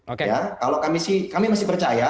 oke ya kalau kami sih kami masih percaya